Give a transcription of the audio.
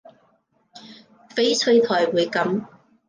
翡翠台會噉